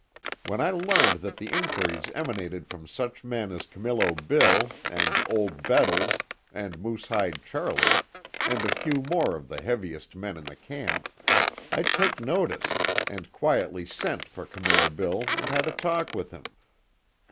When I learned that the inquiries emanated from such men as Camillo Bill, and Old Bettles, and Moosehide Charlie, and a few more of the heaviest men in the camp, I took notice, and quietly sent for Camillo Bill and had a talk with him.